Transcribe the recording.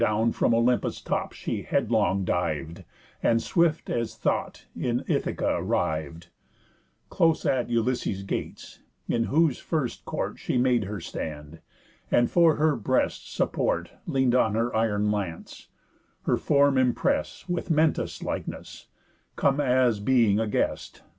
Down from Olympus' tops she headlong div'd, And swift as thought in Ithaca arriv'd, Close at Ulysses' gates; in whose first court She made her stand, and, for her breast's support, Lean'd on her iron lance; her form imprest With Mentas' likeness, come as being a guest.